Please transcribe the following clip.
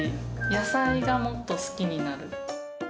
野菜がもっと好きになる。